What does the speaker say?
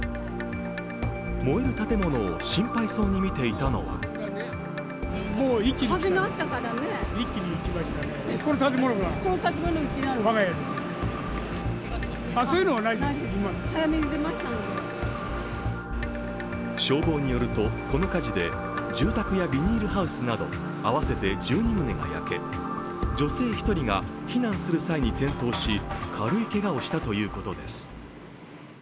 燃える建物を心配そうに見ていたのは消防によると、この火事で住宅やビニールハウスなど合わせて１２棟が焼け、女性１人が避難する際に転倒し軽いけがをしたということです。